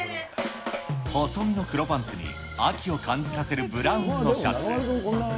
細身の黒パンツに秋を感じさせるブラウンのシャツ。